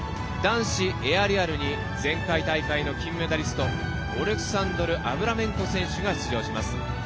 男子エアリアルに前回大会の金メダリストオレクサンドル・アブラメンコ選手が出場します。